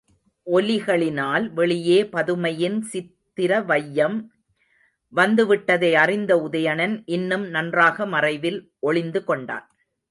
ஒலிகளினால் வெளியே பதுமையின் சித்திரவையம் வந்து விட்டதை அறிந்த உதயணன், இன்னும் நன்றாக மறைவில் ஒளிந்து கொண்டான்.